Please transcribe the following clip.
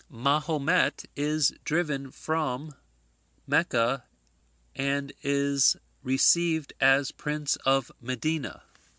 Mahomet is driven from Mecca, and is received as prince of Medina.